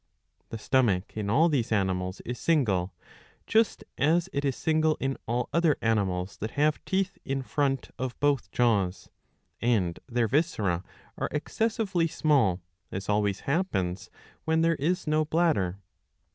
^ The stomach in all these animals is single, just as it is single in all other* animals^ that have teeth in front of both jaws ; and their viscera are excessively small, as alwiays happens when there is no bladder.